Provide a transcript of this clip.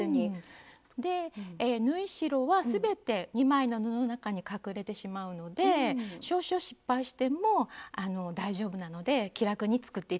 縫い代は全て２枚の布の中に隠れてしまうので少々失敗しても大丈夫なので気楽に作って頂けると思います。